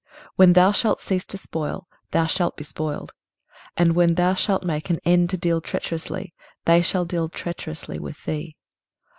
when thou shalt cease to spoil, thou shalt be spoiled; and when thou shalt make an end to deal treacherously, they shall deal treacherously with thee.